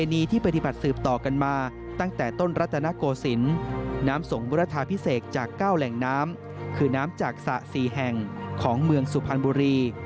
น้ำสงบุรทาพิเศษจาก๙แหล่งน้ำคือน้ำจากสระ๔แห่งของเมืองสุพรรณบุรี